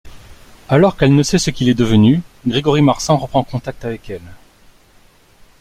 Alors qu'elle ne sait ce qu'il est devenu, Grégory Marsan reprend contact avec elle.